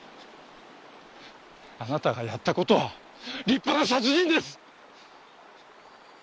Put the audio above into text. あなたがやった事は立派な殺人です！